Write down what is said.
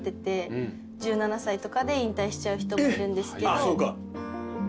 えっそうか。